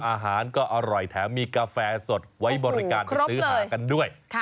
อาหารก็อร่อยแถมมีกาแฟสดไว้บริการไปซื้อหากันด้วย